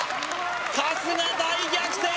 春日大逆転